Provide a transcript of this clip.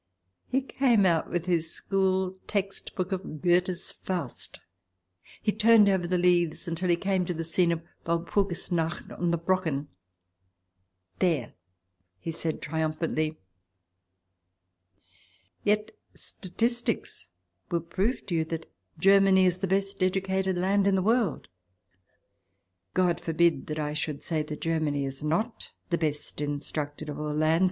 He came out with his school textbook of Goethe's " Faust "; he turned over the leaves until he came to the scene of the Walpurgisnacht on the Brocken. "There !" he said triumphantly. Yet statistics will prove to X PREFACE you that Germany is the best educated land in the world. God forbid that I should say that Germany is not the best instructed of all lands.